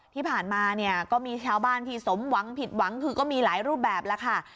ที่ผ่านมาเนี่ยก็มีชาวบ้านที่สมหวังผิดหวังคือก็มีหลายรูปแบบแล้วค่ะ